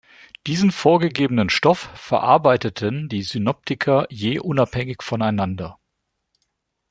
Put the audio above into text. Diesen vorgegebenen Stoff verarbeiteten die Synoptiker je unabhängig voneinander.